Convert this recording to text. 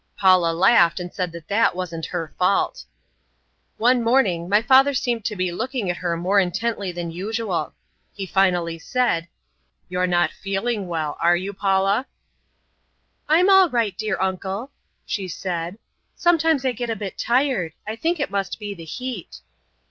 Paula laughed and said that that wasn't her fault. One morning my father seemed to be looking at her more intently than usual. He finally said, "You're not feeling well; are you, Paula?" "I'm all right, dear uncle," she said. "Sometimes I get a bit tired. I think it must be the heat."